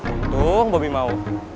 untung bomi mau